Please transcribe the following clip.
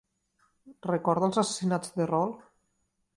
Recorda els assassinats del rol?